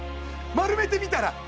丸めてみたら。